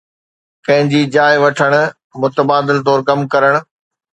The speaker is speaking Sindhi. ڪنهن جي جاءِ وٺڻ ، متبادل طور ڪم ڪرڻ